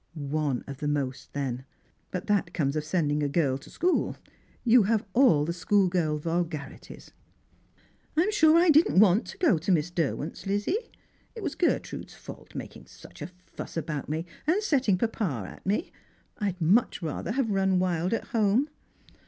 " One of the most, then ; but that comes of sending a girl to school. You have all the schoolgirl vulgarities." "I'm sure I didn't want to go to Miss Derwent's, Lizzie. It was Gertrude's fault, making such a fuss about me, and setting papa at me. I'd much rather have run wild at home."